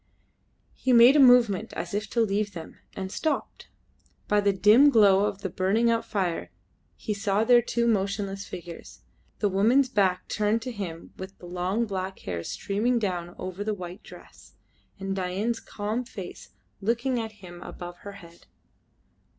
He made a movement as if to leave them and stopped. By the dim glow of the burning out fire he saw their two motionless figures. The woman's back turned to him with the long black hair streaming down over the white dress, and Dain's calm face looking at him above her head.